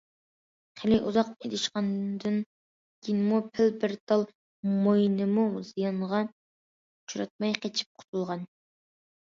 خېلى ئۇزاق ئېلىشقاندىن كېيىنمۇ پىل بىر تال مويىنىمۇ زىيانغا ئۇچراتماي قېچىپ قۇتۇلغان.